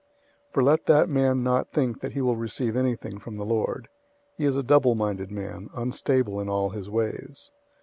001:007 For let that man not think that he will receive anything from the Lord. 001:008 He is a double minded man, unstable in all his ways.